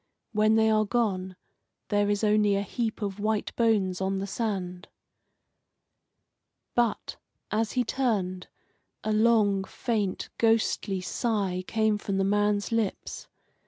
When they are gone there is only a heap of white bones on the sand. But, as he turned, a long, faint, ghostly sigh came from the man's lips.